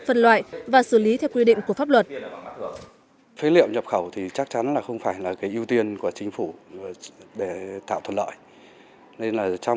phân loại và xử lý theo quy định của pháp luật